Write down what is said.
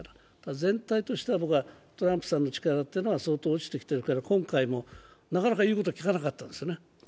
全体としては僕はトランプさんの力は相当落ちてきているから今回もなかなか言うこと聞かなかったですね。